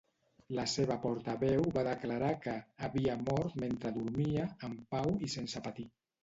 La seva portaveu va declarar que "havia mort mentre dormia, en pau i sense patir".